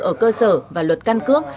ở cơ sở và luật căn cước